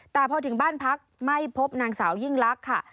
แต่พอถึงบ้านพักไม่พบนางสาวยิ่งลักษณ์ค่ะ